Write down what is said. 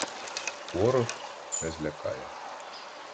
Ворог не злякає.